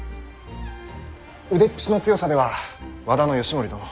腕っぷしの強さでは和田義盛殿。